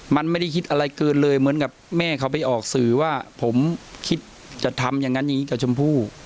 มันไม่ได้คิดอะไรเกินเลยเหมือนกับแม่เขาไปออกสื่อว่าผมคิดจะทำอย่างนั้นอย่างนี้กับชมพู่